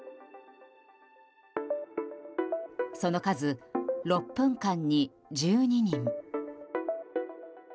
その数、６分間に１２人。